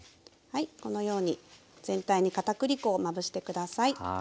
このように全体に片栗粉をまぶして下さい。